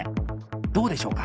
どうでしょうか？